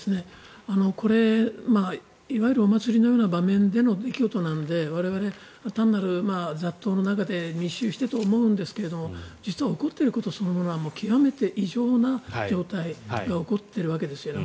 これ、いわゆるお祭りのような場面での出来事なので我々、単なる雑踏の中で密集してと思うんですが実は起こっていることそのものは極めて異常な状態が起こっているわけですよね。